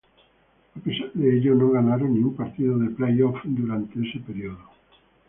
A pesar de ello, no ganaron ni un partido de playoff durante ese periodo.